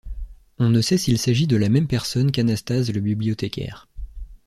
On ne sait s'il s'agit de la même personne qu'Anastase le Bibliothécaire.